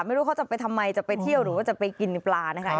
ไม่รู้เขาจะไปทำไมจะไปเที่ยวหรือว่าจะไปกินปลานะคะ